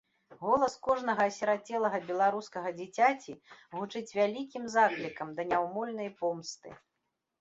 Голас кожнага асірацелага беларускага дзіцяці гучыць вялікім заклікам да няўмольнай помсты.